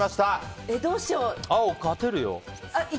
青、勝てるよ。